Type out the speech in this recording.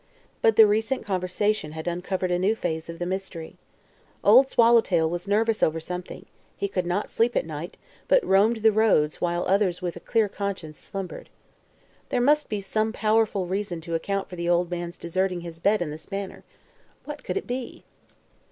But the recent conversation had uncovered a new phase of the mystery. Old Swallowtail was nervous over something; he could not sleep at night, but roamed the roads while others with clear consciences slumbered. There must be some powerful reason to account for the old man's deserting his bed in this manner. What could it be?